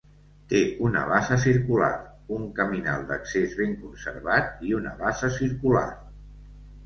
Té una bassa circular, un caminal d'accés ben conservat i una bassa circular.